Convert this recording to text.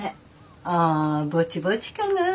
ああぼちぼちかな。